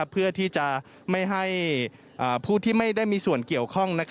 เพื่อที่จะไม่ให้ผู้ที่ไม่ได้มีส่วนเกี่ยวข้อง